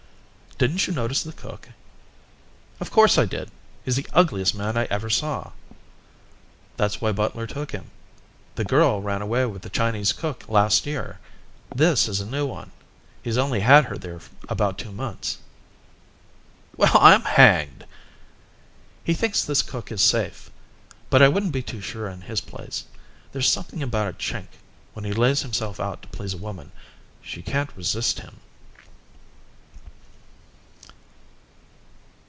"Didn't you notice the cook?" "Of course I did. He's the ugliest man I ever saw." "That's why Butler took him. The girl ran away with the Chinese cook last year. This is a new one. He's only had her there about two months." "Well, I'm hanged." "He thinks this cook is safe. But I wouldn't be too sure in his place. There's something about a Chink, when he lays himself out to please a woman she can't resist him."